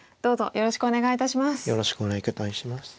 よろしくお願いします。